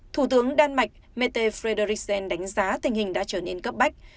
thủ tướng đan mạch mette frederisen đánh giá tình hình đã trở nên cấp bách